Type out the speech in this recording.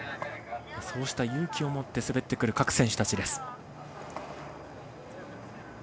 そうした勇気を持って滑ってくる各選手。